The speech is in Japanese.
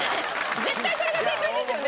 絶対それが正解ですよね。